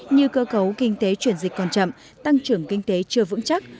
như cơ cấu kinh tế chuyển dịch còn chậm tăng trưởng kinh tế chưa vững chắc